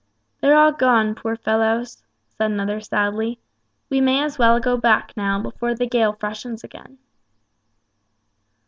"They're all gone, poor fellows," said another, sadly; "we may as well go back now, before the gale freshens again."